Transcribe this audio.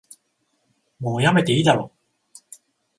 もうやめていいだろ